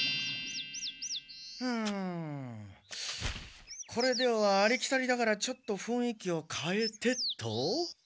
うむこれではありきたりだからちょっとふんい気をかえてっと。